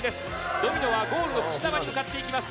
ドミノはゴールのくす玉に向かっていきます。